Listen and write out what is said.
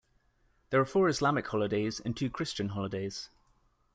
There are four Islamic holidays and two Christian holidays.